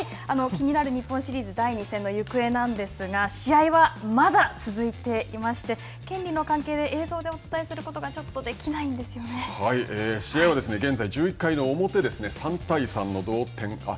気になる日本シリーズ第２戦の行方なんですが試合はまだ続いていまして、権利の関係で映像でお伝えすることがちょっとできないん試合は現在１１回の表ですね、３対３の同点。